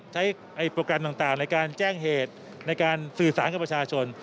ใช้โปรแกรมต่างในการแจ้งเหตุในการสื่อสารกับประชาชน